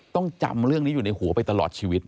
ต้องจำเรื่องนี้อยู่ในหัวไปตลอดชีวิต